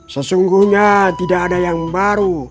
sesungguhnya tidak ada yang baru